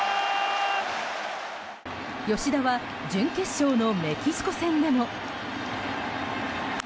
吉田は準決勝のメキシコ戦でも。